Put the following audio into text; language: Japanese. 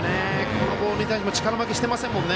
このボールに対しても力負けしていませんもんね。